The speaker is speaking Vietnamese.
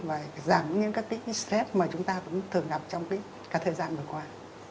và giảm những cái stress mà chúng ta thường gặp trong cái thời gian vừa qua